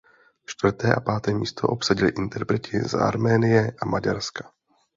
Čtvrté a páté místo obsadili interpreti z Arménie a Maďarska.